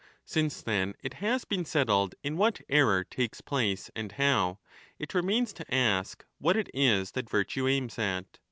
Since, then, it has been settled in what error takes place and how, it remains to ask what it is that virtue aims at.